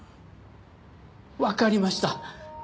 わかりました。